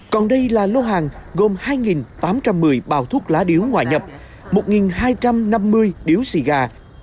còn đây là lô hàng gồm hai tám trăm một mươi bao thuốc lá điếu ngoại nhập một hai trăm năm mươi điếu xì gà